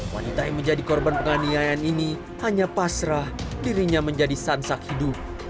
wanita yang menjadi korban penganiayaan ini hanya pasrah dirinya menjadi sansak hidup